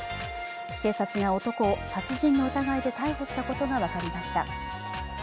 警察が男を殺人の疑いで逮捕したことが分かりました。